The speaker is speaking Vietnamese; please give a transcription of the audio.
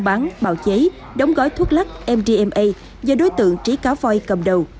bán bào chế đóng gói thuốc lắc mdma do đối tượng trí cá voi cầm đầu